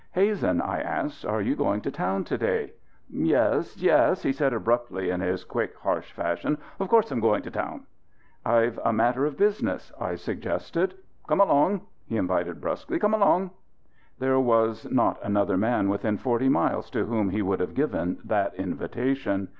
"Hazen," I asked, "are you going to town to day?" "Yes, yes," he said abruptly in his quick, harsh fashion. "Of course I'm going to town." "I've a matter of business," I suggested. "Come along," he invited brusquely. "Come along." There was not another man within forty miles to whom he would have given that invitation.